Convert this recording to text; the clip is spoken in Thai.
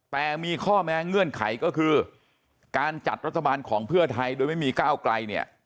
แต่มีข้อแม้เงื่อนไขก็คือการจัดรัฐบาลของเพื่อไทยโดยไม่มีก้าวไกลเนี่ย